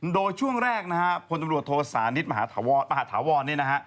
โดยช่วงแรกคนตำรวจโทษศาลนิษฐ์มหาธวรมหาธวรนี่นะฮะ